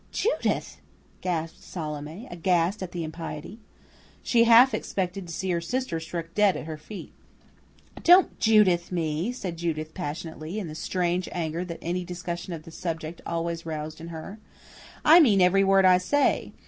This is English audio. "Judith!" gasped Salome, aghast at the impiety. She half expected to see her sister struck dead at her feet. "Don't 'Judith' me!" said Judith passionately, in the strange anger that any discussion of the subject always roused in her. "I mean every word I say.